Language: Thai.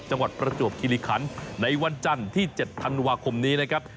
ประจวบคิริคันในวันจันทร์ที่๗ธันวาคมนี้นะครับ